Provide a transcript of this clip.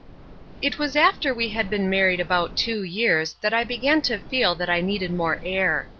_ It was after we had been married about two years that I began to feel that I needed more air.